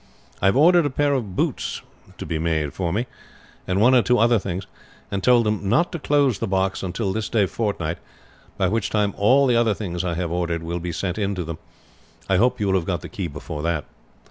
I have ordered a pair of boots to be made for me and one or two other things, and told them not to close the box until this day fortnight, by which time all the other things I have ordered will be sent in to them. I hope you will have got the key before that."